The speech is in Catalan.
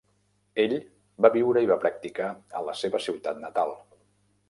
Ell va viure i va practicar a la seva ciutat natal.